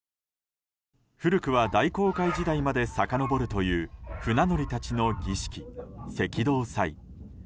古くは大航海時代までさかのぼるという船乗りたちの儀式、赤道祭。